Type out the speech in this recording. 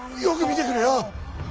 よく見てくれよ。